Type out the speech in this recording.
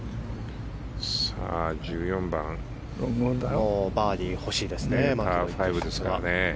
もうバーディー欲しいですね。